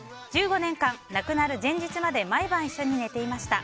１５年間、亡くなる前日まで毎晩一緒に寝ていました。